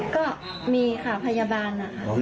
ก็มีค่ะพยาบาล